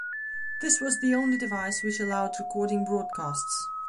This was the only device which allowed recording broadcasts.